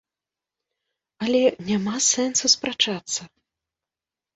Але няма сэнсу спрачацца.